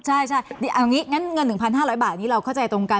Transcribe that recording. ใช่งั้นเงิน๑๕๐๐บาทนี่เราเข้าใจตรงกัน